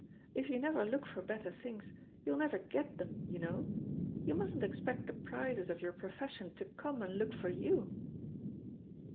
If you never look for better things, you'll never get 18 THE POSITION OF PEGGY HARPER Hiem, you know; you mustn't expect the prizes of your profession to come and look for you.